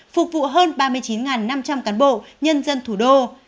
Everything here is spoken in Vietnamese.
phục vụ hơn ba mươi chín năm trăm linh cán bộ nhân dân thủ đô